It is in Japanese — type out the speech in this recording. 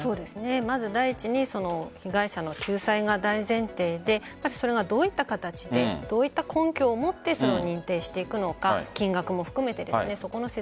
まず第一に被害者の救済が大前提でそれがどういった形でどういった根拠を持ってへい「白チャーハン」！